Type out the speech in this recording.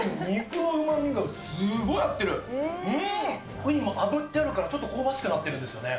ウニもあぶってあるからちょっと香ばしくなってるんですよね。